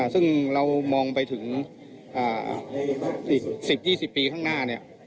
ซึ่งเรามองไปถึงอีก๑๐๒๐ปีข้างหน้า